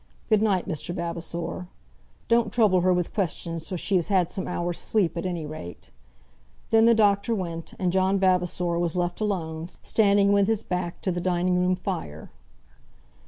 Good night, Mr. Vavasor. Don't trouble her with questions till she has had some hours' sleep, at any rate." Then the doctor went, and John Vavasor was left alone, standing with his back to the dining room fire.